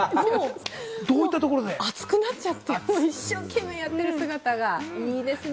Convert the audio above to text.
熱くなっちゃって、一生懸命やってる姿がいいですね。